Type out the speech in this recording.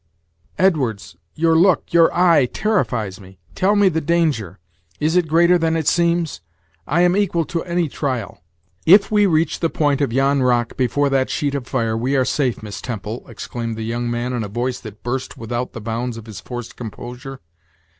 "Edwards! your look, your eye, terrifies me! Tell me the danger; is it greater than it seems? I am equal to any trial." "If we reach the point of yon rock before that sheet of fire, we are safe, Miss Temple," exclaimed the young man in a voice that burst without the bounds of his forced composure.